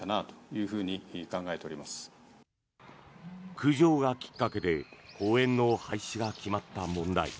苦情がきっかけで公園の廃止が決まった問題。